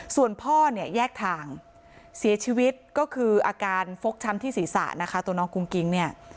ส่วนพ่อเนี่ยแยกทางเสียชีวิตก็คืออาการฟกช้ำที่ศีรษะนะคะตัวน้องกุ้งกิ๊งเนี่ย